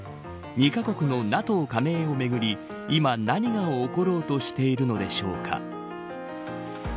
２カ国のＮＡＴＯ加盟をめぐり今、何が起ころうとしているのでしょうか。